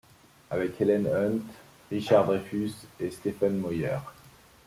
Avec Helen Hunt, Richard Dreyfuss et Stephen Moyer.